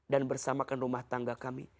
dan bersamakan rumah tangga kami